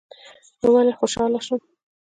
نو ولي خوشحاله شم